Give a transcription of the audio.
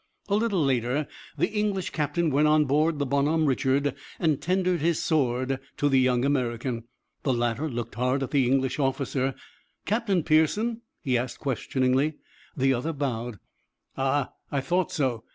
A little later the English captain went on board the Bon Homme Richard and tendered his sword to the young American. The latter looked hard at the English officer. "Captain Pearson?" he asked questioningly. The other bowed. "Ah, I thought so.